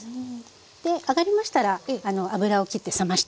で揚がりましたら油をきって冷ましておきます。